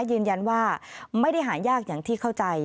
ยืนยันว่าไม่ได้หายากอย่างที่เข้าใจ